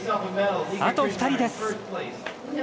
あと２人です。